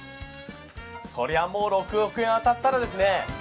そりゃもう６億円当たったらですね